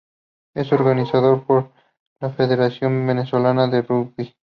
Es organizado por la Federación Venezolana de Rugby.